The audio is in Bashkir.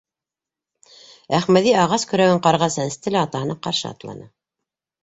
Әхмәҙи ағас көрәген ҡарға сәнсте лә атаһына ҡаршы атланы.